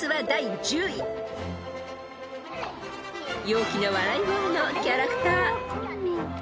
［陽気な笑い声のキャラクター］